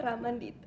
kamu langsung setia